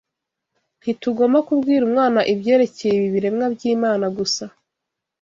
Ntitugomba kubwira umwana ibyerekeye ibi biremwa by’Imana gusa